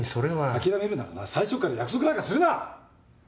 諦めるならな最初から約束なんかするな！